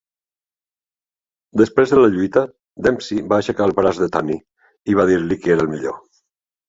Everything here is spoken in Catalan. Després de la lluita, Dempsey va aixecar el braç de Tunney i va dir-li que era el millor.